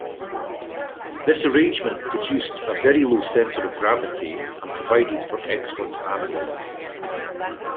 This arrangement produced a very low centre of gravity and provided for excellent handling.